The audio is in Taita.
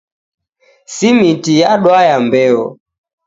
Simiti yadwaya mbeo